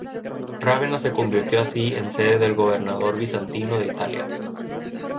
Rávena se convirtió así en sede del gobernador bizantino de Italia.